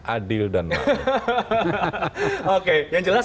adil dan maju